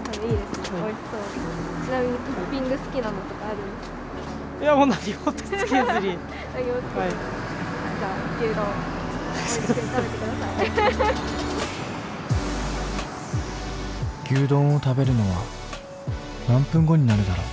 ちなみに牛丼を食べるのは何分後になるだろう？